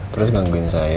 terus gangguin saya